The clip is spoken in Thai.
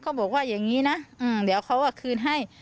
บอกว่าอย่างนี้นะเดี๋ยวเขาคืนให้